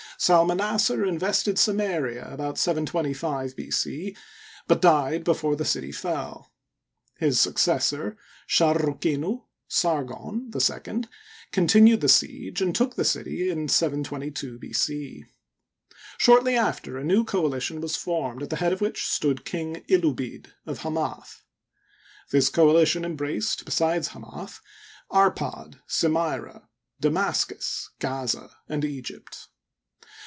Salmanassar invested Samaria about 725 B. c, but died before the city fell. His successor, Sharrukinu (Sargon) II, continued the siege, and took the city in 722 B. C. Shortly after a new coalition was formed, at the head of which stood King Ilubid, of Hamath. This coalition embraced, besides Hamath, Arpad, Slmyra, Damascus, Gaza, and Egypt.